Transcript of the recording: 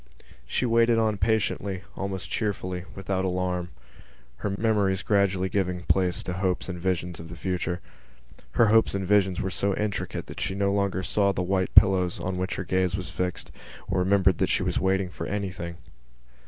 She waited on patiently, almost cheerfully, without alarm, her memories gradually giving place to hopes and visions of the future. Her hopes and visions were so intricate that she no longer saw the white pillows on which her gaze was fixed or remembered that she was waiting for anything.